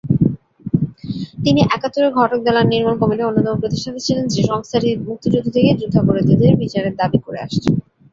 তিনি একাত্তরের ঘটক দালাল নির্মল কমিটির অন্যতম প্রতিষ্ঠাতা ছিলেন, যে সংস্থাটি মুক্তিযুদ্ধ থেকে যুদ্ধাপরাধীদের বিচারের দাবি করে আসছে।